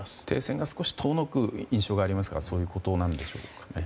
停戦が少し遠のく印象がありますがそういうことなのでしょうか。